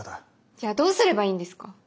じゃあどうすればいいんですか？